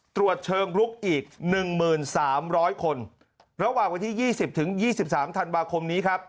ตรวจเชิงลุกอีก๑๓๐๐คนระหว่างวันที่๒๐ถึง๒๓ธันวาคมนี้ครับ